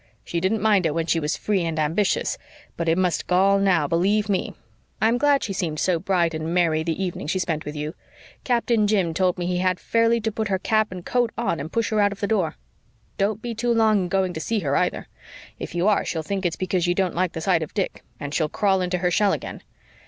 She didn't mind it when she was free and ambitious, but it must gall now, believe ME. I'm glad she seemed so bright and merry the evening she spent with you. Captain Jim told me he had fairly to put her cap and coat on and push her out of the door. Don't be too long going to see her either. If you are she'll think it's because you don't like the sight of Dick, and she'll crawl into her shell again.